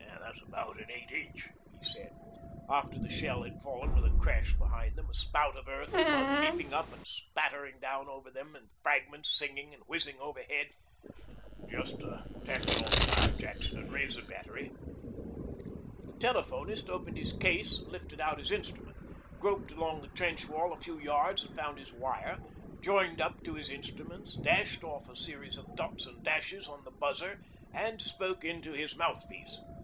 'That's about an eight inch,' he said, after the shell had fallen with a crash behind them, a spout of earth and mud leaping up and spattering down over them and fragments singing and whizzing overhead. 'Just tap in on the wire, Jackson, and raise the Battery.' The telephonist opened his case and lifted out his instrument, groped along the trench wall a few yards and found his wire, joined up to his instruments, dashed off a series of dots and dashes on the 'buzzer,' and spoke into his mouthpiece.